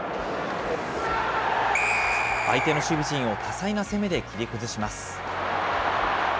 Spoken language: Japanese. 相手の守備陣を多彩な攻めで切り崩します。